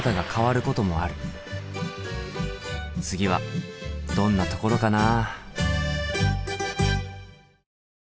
次はどんなところかな。